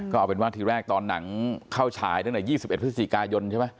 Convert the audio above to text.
ก็เป็นว่าทีแรกค่อนหนังเข้าฉายดึงใน๒๑พฤศจิกายนใช่มั้ย